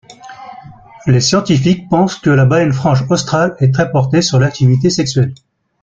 Les scientifiques pensent que la baleine franche australe est très portée sur l'activité sexuelle.